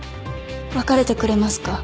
別れてくれますか？